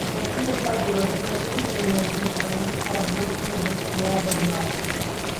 स्वतंत्रता दिवस पर इन ट्रेनों के टाइम और रूट में हुआ बदलाव